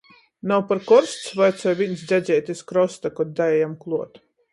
"Nav par korsts?" vaicoj vīns dzjadzeite iz krosta, kod daejam kluot.